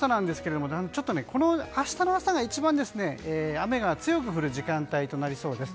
明日の朝が一番雨が強く降る時間帯となりそうです。